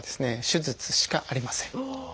手術しかありません。